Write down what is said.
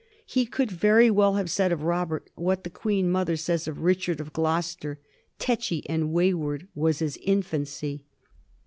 He could very well have said of Robert what the Queen mother says of Richard of Gloster, tetchy and wayward was his infancy.